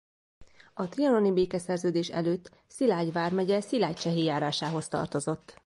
A trianoni békeszerződés előtt Szilágy vármegye Szilágycsehi járásához tartozott.